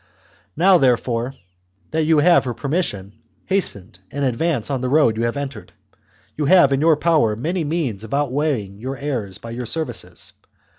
Now, therefore, that you have her permission, hasten and advance on the road you have entered. You have in your power 236 . THE JUGURTHINE WAR. CHAP, many means of outweighing your errors by your services.